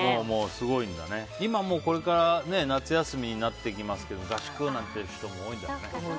今これから夏休みになっていきますけど合宿なんていう人も多いだろうね。